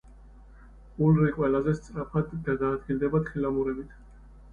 ულრი ყველაზე სწრაფად გადაადგილდება თხილამურებით.